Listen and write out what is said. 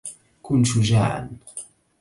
كن شجاعاً.